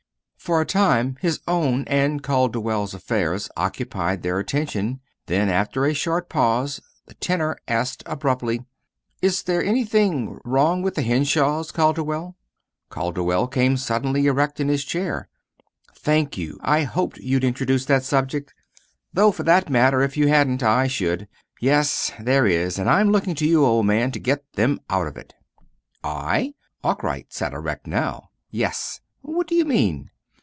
For a time his own and Calderwell's affairs occupied their attention; then, after a short pause, the tenor asked abruptly: "Is there anything wrong with the Henshaws, Calderwell?" Calderwell came suddenly erect in his chair. "Thank you! I hoped you'd introduce that subject; though, for that matter, if you hadn't, I should. Yes, there is and I'm looking to you, old man, to get them out of it." "I?" Arkwright sat erect now. "Yes." "What do you mean?"